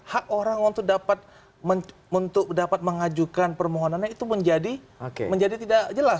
hak orang untuk dapat mengajukan permohonannya itu menjadi tidak jelas